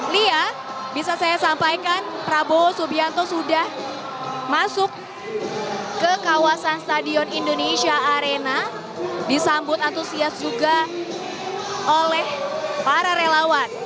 lia bisa saya sampaikan prabowo subianto sudah masuk ke kawasan stadion indonesia arena disambut antusias juga oleh para relawan